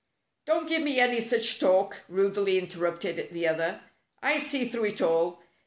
" Don't give me any such talk," rudely inter rupted the other. " I see through it all.